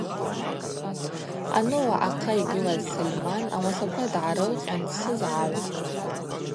Аныла ахъа йгылаз Сольман ауасаква дгӏарылкъьан дсызгӏагӏвтӏ.